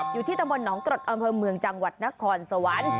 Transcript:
อยู่ที่ตำบลหนองกรดอำเภอเมืองจังหวัดนครสวรรค์